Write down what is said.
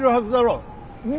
うん？